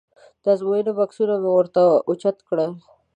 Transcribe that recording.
د ازموینې بکسونه مو ور اوچت کړل.